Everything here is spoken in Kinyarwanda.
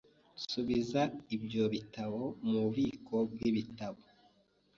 Subiza ibyo bitabo mububiko bwibitabo.